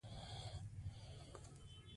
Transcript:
د هر سند موندل یوه جلا ستونزه وه.